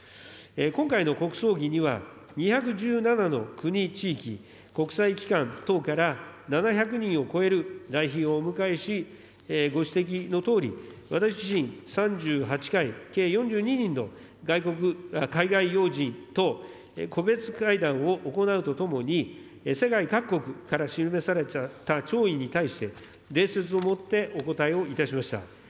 今回の国葬儀には、２１７の国・地域、国際機関等から７００人を超える来賓をお迎えし、ご指摘のとおり、私自身、３８回、計４２人の海外要人と個別会談を行うとともに、世界各国から示された弔意に対して、礼節をもってお答えをいたしました。